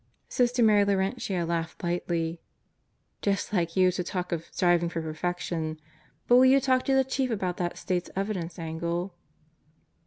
Sister Mary Laurentia laughed lightly. "Just like you to talk "Most Likely I'll Burn' 33 of 'striving for perfection.' But will you talk to the Chief about that State's Evidence angle?"